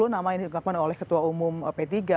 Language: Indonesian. nama yang diungkapkan oleh ketua umum p tiga